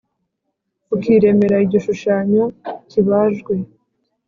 ukiremera igishushanyo kibajwe,